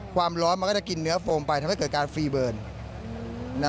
ความร้อนมันก็จะกินเนื้อโฟมไปทำให้เกิดการฟรีเบิร์น